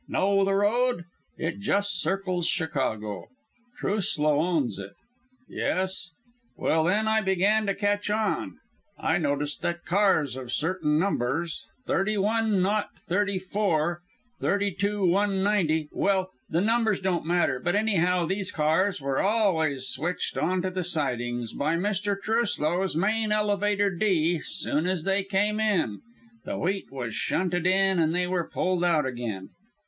Know the road? It just circles Chicago. Truslow owns it. Yes? Well, then I began to catch on. I noticed that cars of certain numbers thirty one nought thirty four, thirty two one ninety well, the numbers don't matter, but anyhow, these cars were always switched onto the sidings by Mr. Truslow's main elevator D soon as they came in. The wheat was shunted in, and they were pulled out again.